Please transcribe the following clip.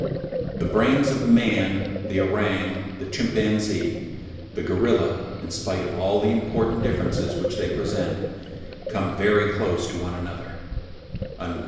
The brains of man, the orang, the chimpanzee, the gorilla, in spite of all the important differences which they present, come very close to one another" (loc.